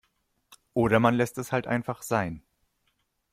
Oder man lässt es halt einfach sein.